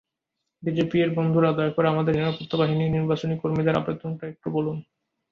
বিজেপির বন্ধুরা, দয়া করে আমাদের নিরাপত্তা বাহিনী, নির্বাচনী কর্মীদের অবদানটা একটু বলুন।